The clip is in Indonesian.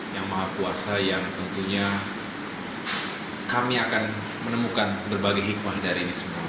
yang maha kuasa yang tentunya kami akan menemukan berbagai hikmah dari ini semua